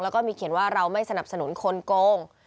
แล้วก็มีเขียนว่าเราไม่สนับสนุนคนโกง